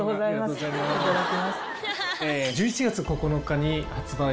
１１月９日に発売。